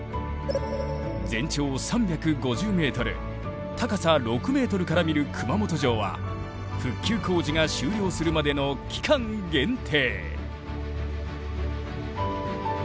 全長３５０ｍ高さ６ｍから見る熊本城は復旧工事が終了するまでの期間限定。